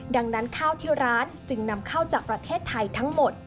ดังนั้นข้าวที่ร้านจึงนำเข้าจากประเทศไทยทั้งหมด